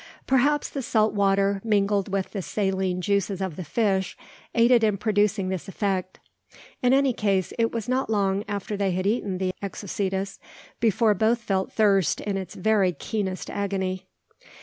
Perhaps the salt water, mingled with the saline juices of the fish, aided in producing this effect. In any case, it was not long after they had eaten the Exocetus before both felt thirst in its very keenest agony.